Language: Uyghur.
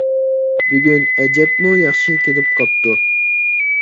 بۈگۈن ئەجەبمۇ ياخشى كېلىپ قاپتۇ.